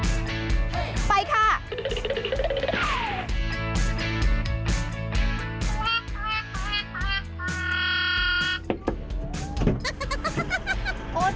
คุณผู้ชมครับเดินทางมาถึงร้านแล้วนะครับ